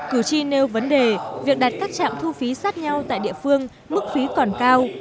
cử tri nêu vấn đề việc đặt các trạm thu phí sát nhau tại địa phương mức phí còn cao